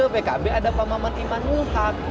pkb ada pak mamat imanul haq